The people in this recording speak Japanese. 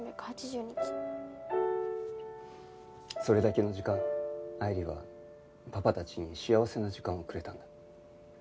それだけの時間愛理はパパたちに幸せな時間をくれたんだ。